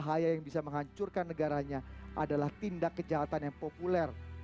bahaya yang bisa menghancurkan negaranya adalah tindak kejahatan yang populer